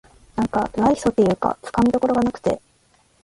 なんか無愛想っていうかつかみどころがなくて